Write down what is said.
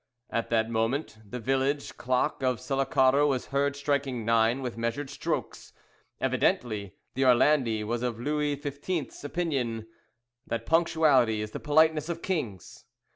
At that moment the village clock of Sullacaro was heard striking nine with measured strokes. Evidently the Orlandi was of Louis XV.'s opinion, that punctuality is the politeness of kings!